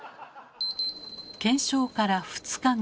検証から２日後。